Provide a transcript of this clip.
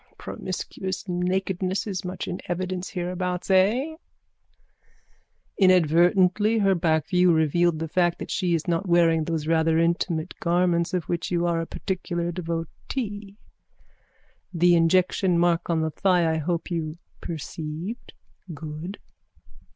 _ Promiscuous nakedness is much in evidence hereabouts, eh? Inadvertently her backview revealed the fact that she is not wearing those rather intimate garments of which you are a particular devotee. The injection mark on the thigh I hope you perceived? Good.